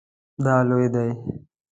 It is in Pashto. دا لوی دی